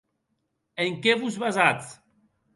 En qué vos basatz?